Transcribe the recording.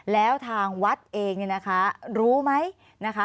แล้วทางวัดเองเนี่ยนะคะรู้ไหมนะคะ